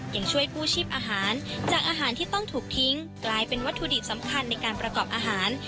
ยังช่วยกู้ชีพอาหารจากอาหารที่ต้องถูกทิ้งกลายเป็นวัตถุดิบสำคัญในการประกอบอาหาร